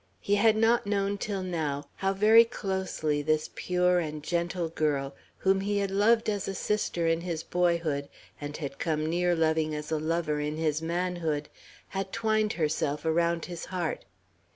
He had not known, till now, how very closely this pure and gentle girl, whom he had loved as a sister in his boyhood, and had come near loving as a lover in his manhood, had twined herself around his heart.